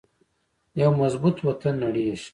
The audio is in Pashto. یو مضبوط وطن نړیږي